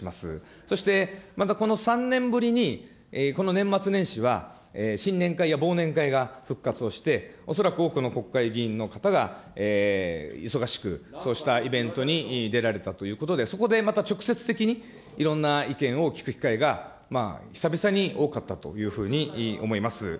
そして、またこの３年ぶりにこの年末年始は、新年会や忘年会が復活をして、おそらく多くの国会議員の方が忙しくそうしたイベントに出られたということで、そこでまた直接的にいろんな意見をきく機会が久々に多かったというふうに思います。